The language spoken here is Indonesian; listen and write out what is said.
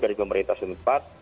dari pemerintah tempat